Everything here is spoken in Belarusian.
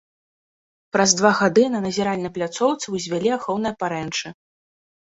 Праз два гады на назіральнай пляцоўцы ўзвялі ахоўныя парэнчы.